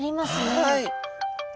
はい。